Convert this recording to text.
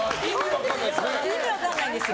意味分かんないんです。